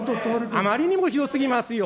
あまりにもひどすぎますよ。